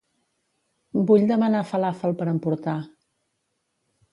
Vull demanar falàfel per emportar.